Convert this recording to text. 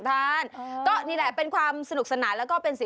แต่พอดีพี่เองควรช่วยกันได้๘ฟอง